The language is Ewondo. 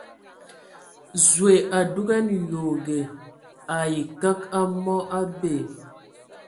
Zoe a dugan yoge ai kǝg a mɔ, a bee !